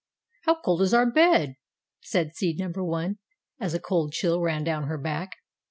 "How cold our bed is," said seed number One, as a cold chill ran down her back.